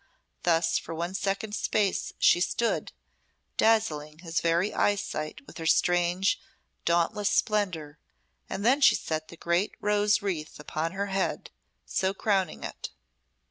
Thus for one second's space she stood, dazzling his very eyesight with her strange, dauntless splendour; and then she set the great rose wreath upon her head, so crowning it.